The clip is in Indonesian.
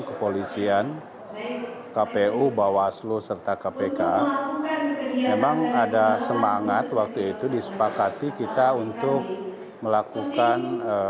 kepolisian kpu bawaslu serta kpk memang ada semangat waktu itu disepakati kita untuk melakukan